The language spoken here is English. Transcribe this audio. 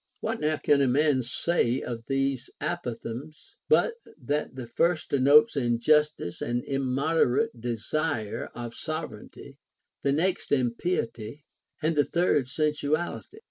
What now can a man say of these apophthegms, but that the first denotes injustice and immoderate desire of sovereignty ; the next impiety ; and the third sensuality